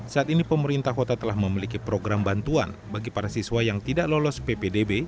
saat ini pemerintah kota telah memiliki program bantuan bagi para siswa yang tidak lolos ppdb